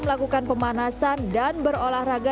melakukan pemanasan dan berolahraga